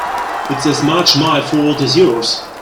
It's as much my fault as yours.